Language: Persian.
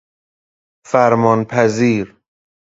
فرمان پذیر